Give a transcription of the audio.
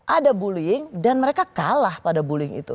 ada bullying dan mereka kalah pada bullying itu